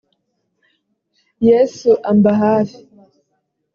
yesu ambahafi.